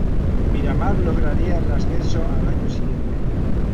Miramar lograría el ascenso al año siguiente.